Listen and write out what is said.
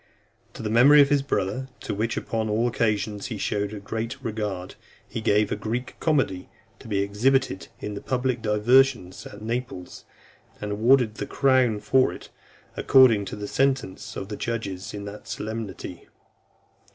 To the memory of his brother , to which, upon all occasions, he showed a great regard, he gave a Greek comedy, to be exhibited in the public diversions at Naples , and awarded the crown for it, according to the sentence of the judges in that solemnity.